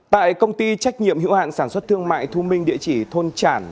tại công ty trách nhiệm hiệu hạn sản xuất thương mại thu minh địa chỉ thôn trản